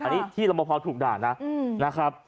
อันนี้ที่รับประพอถูกด่านะนะครับ